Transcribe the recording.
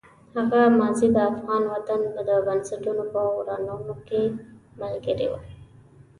هغه ماضي د افغان وطن د بنسټونو په ورانولو ملګرې وه.